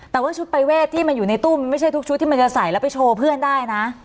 แต่ว่าชุดปรายเวทที่มันอยู่ในตู้มันไม่ใช่ทุกชุดที่มันจะใส่แล้วไปโชว์เพื่อนได้นะ